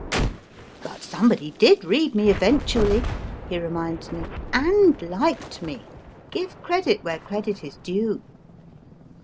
But somebody did read me eventually, he reminds me ; and liked me. Give credit where credit is due.